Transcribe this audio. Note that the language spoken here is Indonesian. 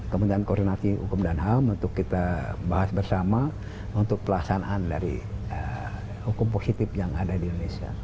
kementerian koordinasi hukum dan ham untuk kita bahas bersama untuk pelaksanaan dari hukum positif yang ada di indonesia